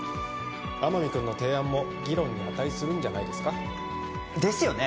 天海君の提案も議論に値するんじゃないですかですよね